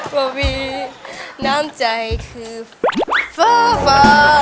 เพราะมีน้ำใจคือเฟ้อเฟ้อ